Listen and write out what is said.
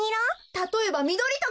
たとえばみどりとか。